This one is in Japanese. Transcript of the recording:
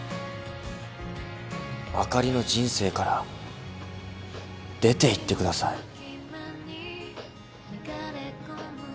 あかりの人生から出ていってください。